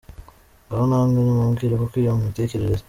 Ngaho namwe nimubwire koko iyo mitekerereze.